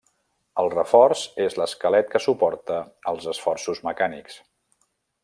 El reforç és l'esquelet que suporta els esforços mecànics.